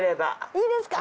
いいですか。